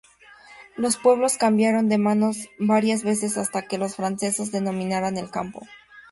Los pueblos cambiaron de manos varias veces hasta que los franceses dominaron el campo.